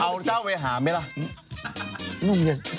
เอาเจ้าไปหาไหมล่ะ